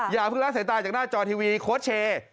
อย่าเพิ่งละสายตาจากหน้าจอทีวีโค้ชเชย์